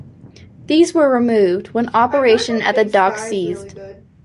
These were removed when operation at the docks ceased.